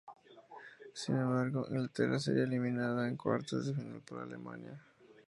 Sin embargo, Inglaterra sería eliminada en cuartos de final por Alemania.